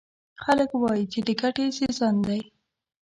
خلک وایي چې د ګټې سیزن دی.